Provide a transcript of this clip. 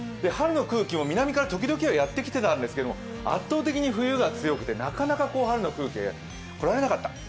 春の空気も南から時々はやってきてたんですけど、圧倒的に冬が強くてなかなか春の空気がこられなかった。